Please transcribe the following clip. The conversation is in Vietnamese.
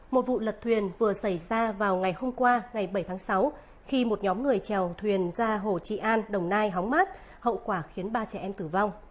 một vụ lật thuyền vừa xảy ra vào ngày hôm qua ngày bảy tháng sáu khi một nhóm người trèo thuyền ra hồ trị an đồng nai hóng mát hậu quả khiến ba trẻ em tử vong